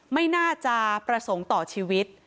ไม่น่าจะประสงค์ต่อชีวิต